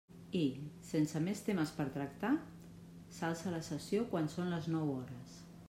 I, sense més temes per tractar, s'alça la sessió quan són les nou hores.